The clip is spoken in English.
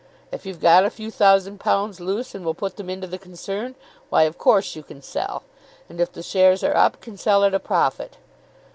If you've got a few thousand pounds loose, and will put them into the concern, why, of course you can sell; and, if the shares are up, can sell at a profit.